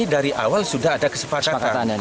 dari awal sudah ada kesepakatan ini